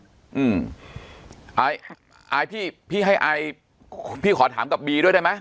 อืมอายอายพี่พี่ให้อายพี่ขอถามกับบีด้วยได้ไหม